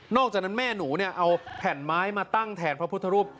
อกจากนั้นแม่หนูเนี่ยเอาแผ่นไม้มาตั้งแทนพระพุทธรูป